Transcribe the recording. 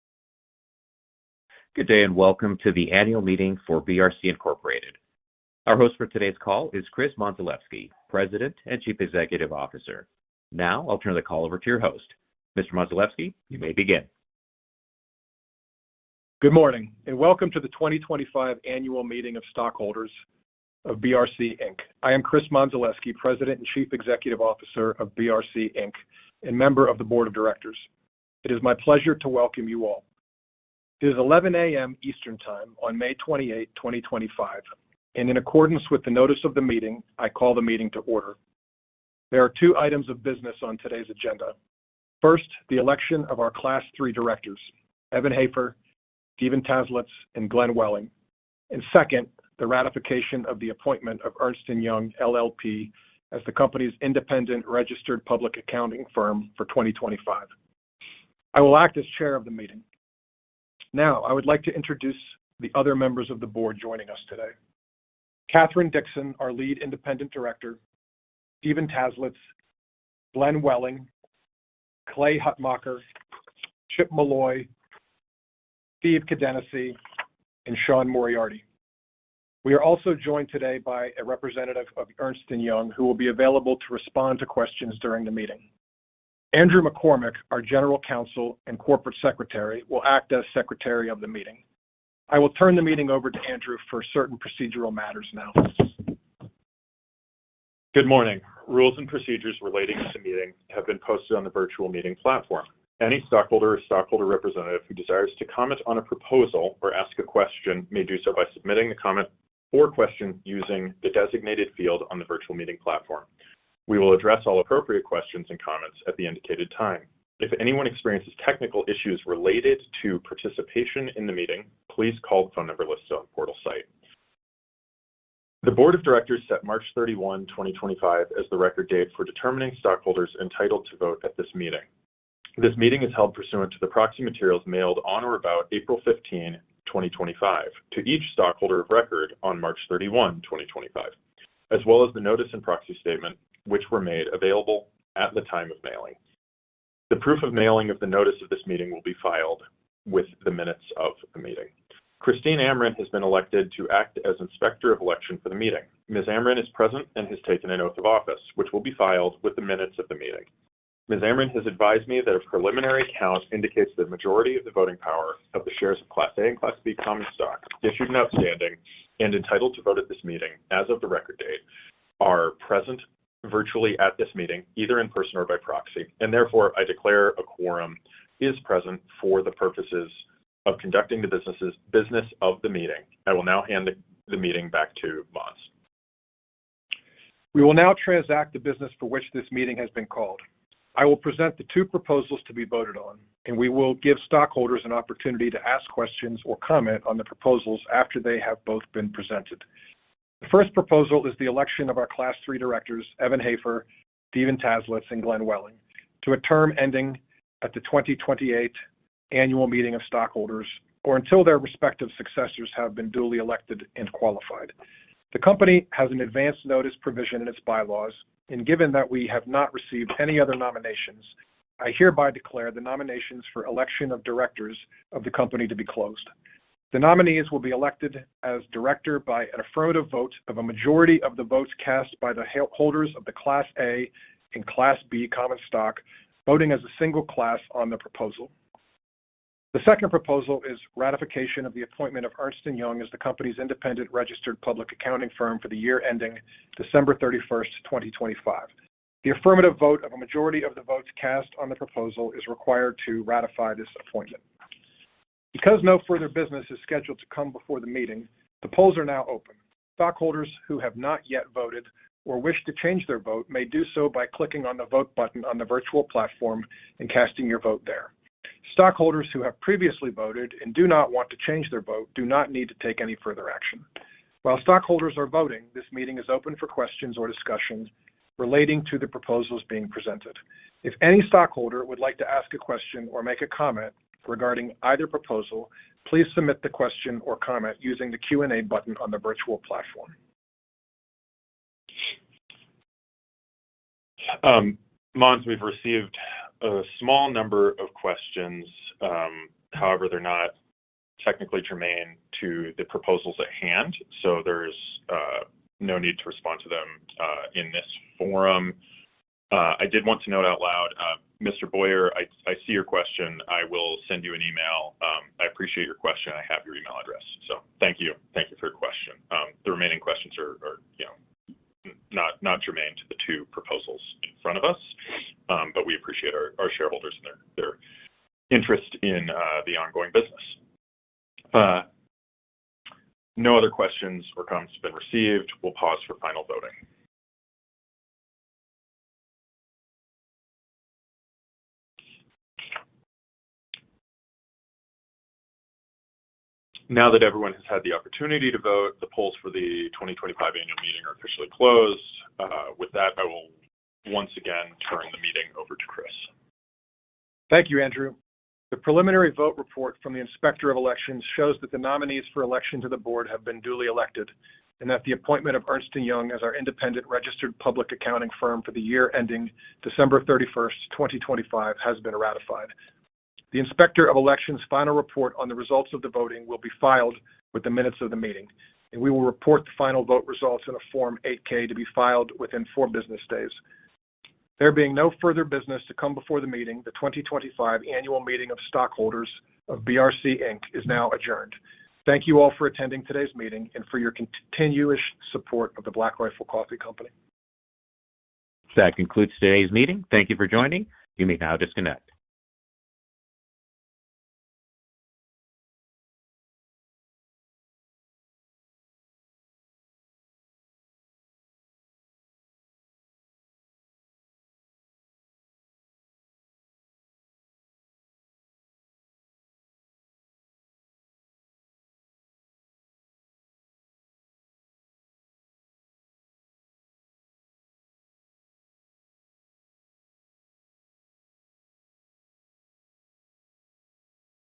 Good day and welcome to the annual meeting for BRC Incorporated. Our host for today's call is Chris Mondzelewski, President and Chief Executive Officer. Now I'll turn the call over to your host. Mr. Mondzelewski, you may begin. Good morning and welcome to the 2025 annual meeting of stockholders of BRC Inc. I am Chris Mondzelewski, President and Chief Executive Officer of BRC Inc. and member of the Board of Directors. It is my pleasure to welcome you all. It is 11:00 A.M. Eastern Time on May 28, 2025, and in accordance with the notice of the meeting, I call the meeting to order. There are two items of business on today's agenda. First, the election of our Class III directors: Evan Hafer, Steven Taslitz, and Glenn Welling. Second, the ratification of the appointment of Ernst & Young LLP as the company's independent registered public accounting firm for 2025. I will act as chair of the meeting. Now, I would like to introduce the other members of the board joining us today: Kathryn Dickson, our Lead Independent Director, Steven Taslitz, Glenn Welling, Clay Hutmacher, Chip Molloy, Steve Kadenacy, and Sean Moriarty. We are also joined today by a representative of Ernst & Young who will be available to respond to questions during the meeting. Andrew McCormick, our General Counsel and Corporate Secretary, will act as secretary of the meeting. I will turn the meeting over to Andrew for certain procedural matters now. Good morning. Rules and procedures relating to the meeting have been posted on the virtual meeting platform. Any stockholder or stockholder representative who desires to comment on a proposal or ask a question may do so by submitting a comment or question using the designated field on the virtual meeting platform. We will address all appropriate questions and comments at the indicated time. If anyone experiences technical issues related to participation in the meeting, please call the phone number listed on the portal site. The Board of Directors set March 31, 2025, as the record date for determining stockholders entitled to vote at this meeting. This meeting is held pursuant to the proxy materials mailed on or about April 15, 2025, to each stockholder of record on March 31, 2025, as well as the notice and proxy statement, which were made available at the time of mailing. The proof of mailing of the notice of this meeting will be filed with the minutes of the meeting. Christine Amirian has been elected to act as inspector of election for the meeting. Ms. Amirian is present and has taken an oath of office, which will be filed with the minutes of the meeting. Ms. Amirian has advised me that a preliminary count indicates that the majority of the voting power of the shares of Class A and Class B common stock issued and outstanding and entitled to vote at this meeting as of the record date are present virtually at this meeting, either in person or by proxy, and therefore, I declare a quorum is present for the purposes of conducting the business of the meeting. I will now hand the meeting back to Maz. We will now transact the business for which this meeting has been called. I will present the two proposals to be voted on, and we will give stockholders an opportunity to ask questions or comment on the proposals after they have both been presented. The first proposal is the election of our Class 3 directors, Evan Hafer, Steven Taslitz, and Glenn Welling, to a term ending at the 2028 annual meeting of stockholders or until their respective successors have been duly elected and qualified. The company has an advance notice provision in its bylaws, and given that we have not received any other nominations, I hereby declare the nominations for election of directors of the company to be closed. The nominees will be elected as director by an affirmative vote of a majority of the votes cast by the holders of the Class A and Class B common stock, voting as a single class on the proposal. The second proposal is ratification of the appointment of Ernst & Young as the company's independent registered public accounting firm for the year ending December 31, 2025. The affirmative vote of a majority of the votes cast on the proposal is required to ratify this appointment. Because no further business is scheduled to come before the meeting, the polls are now open. Stockholders who have not yet voted or wish to change their vote may do so by clicking on the vote button on the virtual platform and casting your vote there. Stockholders who have previously voted and do not want to change their vote do not need to take any further action. While stockholders are voting, this meeting is open for questions or discussion relating to the proposals being presented. If any stockholder would like to ask a question or make a comment regarding either proposal, please submit the question or comment using the Q&A button on the virtual platform. Maz, we've received a small number of questions. However, they're not technically germane to the proposals at hand, so there's no need to respond to them in this forum. I did want to note out loud, Mr. Boyer, I see your question. I will send you an email. I appreciate your question. I have your email address. So thank you. Thank you for your question. The remaining questions are not germane to the two proposals in front of us, but we appreciate our shareholders and their interest in the ongoing business. No other questions or comments have been received. We'll pause for final voting. Now that everyone has had the opportunity to vote, the polls for the 2025 annual meeting are officially closed. With that, I will once again turn the meeting over to Chris. Thank you, Andrew. The preliminary vote report from the inspector of elections shows that the nominees for election to the board have been duly elected and that the appointment of Ernst & Young as our independent registered public accounting firm for the year ending December 31, 2025, has been ratified. The inspector of elections' final report on the results of the voting will be filed with the minutes of the meeting, and we will report the final vote results in a Form 8-K to be filed within four business days. There being no further business to come before the meeting, the 2025 annual meeting of stockholders of BRC Inc. is now adjourned. Thank you all for attending today's meeting and for your continuous support of the Black Rifle Coffee Company. That concludes today's meeting. Thank you for joining. You may now disconnect.